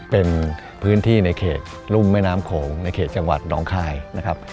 เป็นพื้นที่ในเขตรุ่มแม่น้ำโขงในเขตจังหวัดหนองคายนะครับ